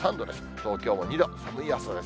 東京も２度、寒い朝です。